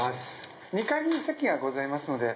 ２階に席がございますので。